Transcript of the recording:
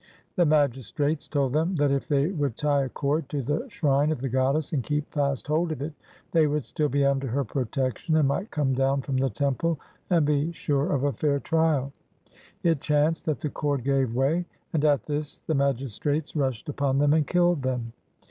The magistrates told them that if they would tie a cord to the shrine of the goddess and keep fast hold of it, they would still be under her protection and might come down from the temple and be sure of a fair trial. It chanced that the cord gave way; and at this the magis trates rushed upon them and killed them.